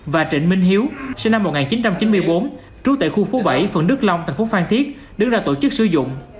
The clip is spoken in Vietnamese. và trịnh minh hiếu sinh năm một nghìn chín trăm chín mươi bốn trú tại khu phố bảy phường đức long thành phố phan thiết đứng ra tổ chức sử dụng